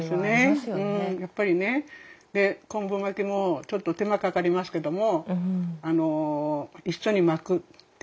やっぱりね昆布巻きもちょっと手間かかりますけども。